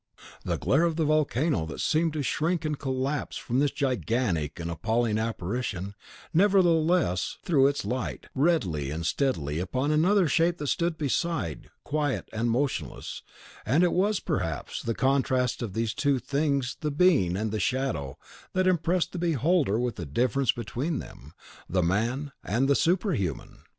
The glare of the volcano, that seemed to shrink and collapse from this gigantic and appalling apparition, nevertheless threw its light, redly and steadily, upon another shape that stood beside, quiet and motionless; and it was, perhaps, the contrast of these two things the Being and the Shadow that impressed the beholder with the difference between them, the Man and the Superhuman.